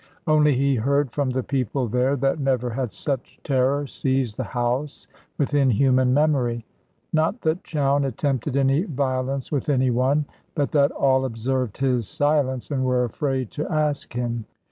Only he heard from the people there, that never had such terror seized the house within human memory. Not that Chowne attempted any violence with any one; but that all observed his silence, and were afraid to ask him.